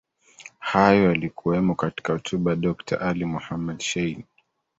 Hayo yalikuwemo katika Hotuba ya Dokta Ali Mohammed Shein